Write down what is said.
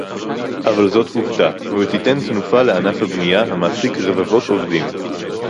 אבל זאת עובדה; ותיתן תנופה לענף הבנייה המעסיק רבבות עובדים